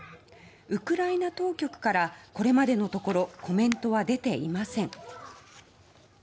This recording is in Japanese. ウクライナ当局からこれまでのところコメントは出ていません。